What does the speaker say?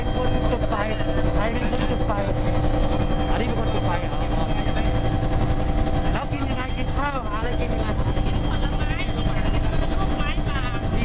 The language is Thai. กินผลไม้กินแบบลูบเมอร์ไฟ